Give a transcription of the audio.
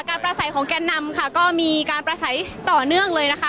ประสัยของแก่นนำค่ะก็มีการประสัยต่อเนื่องเลยนะคะ